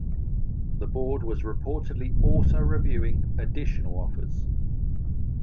The board was reportedly also reviewing additional offers.